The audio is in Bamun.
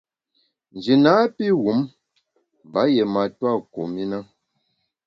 Nji napi wum mba yié matua kum i na.